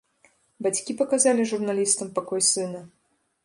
Бацькі паказалі журналістам пакой сына.